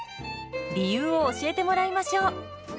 理由を教えてもらいましょう。